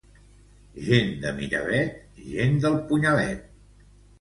Gent de Miravet, gent del punyalet.